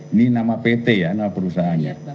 ini nama pt ya nama perusahaannya